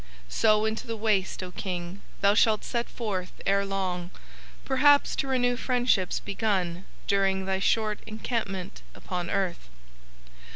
So into the Waste, O King, thou shalt set forth ere long, perhaps to renew friendships begun during thy short encampment upon earth.